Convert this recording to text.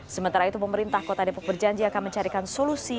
sementara itu pemerintah kota depok berjanji akan mencarikan solusi